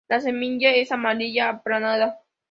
La semilla es amarilla, aplanada.